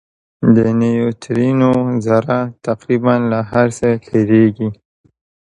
د نیوټرینو ذره تقریباً له هر څه تېرېږي.